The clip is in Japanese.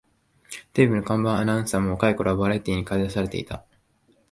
テレビの看板アナウンサーも若い頃はバラエティーにかり出されていた